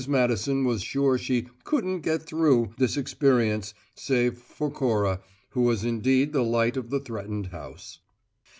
Madison was sure she "couldn't get through" this experience save for Cora, who was indeed the light of the threatened house.